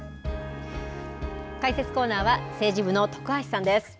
解説コーナーは政治部の徳橋さんです。